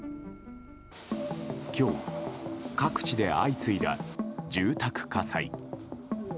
今日、各地で相次いだ住宅火災。